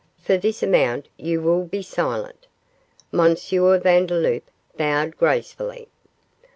'For this amount you will be silent.' M. Vandeloup bowed gracefully.